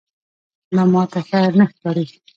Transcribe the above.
دا ماته ښه نه ښکاري.